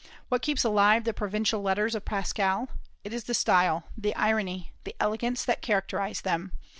What keeps alive the "Provincial Letters" of Pascal? It is the style, the irony, the elegance that characterize them.